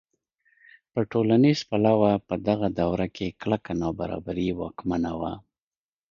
په ټولنیز پلوه په دغه دوره کې کلکه نابرابري واکمنه وه.